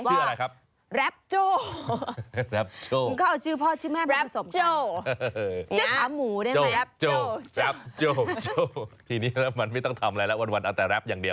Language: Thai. ชื่ออะไรครับแรปโจ้แรปโจ้มึงก็เอาชื่อพ่อชื่อแม่เป็นผสมกันแรปโจ้อย่างนี้